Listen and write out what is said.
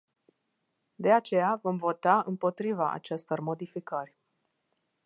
De aceea, vom vota împotriva acestor modificări.